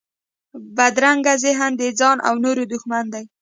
بدرنګه ذهن د ځان او نورو دښمن دی